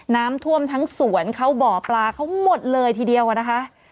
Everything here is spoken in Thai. น้ำท่วมทั้งสวนเขาบ่อปลาเขาหมดเลยทีเดียวนะคะ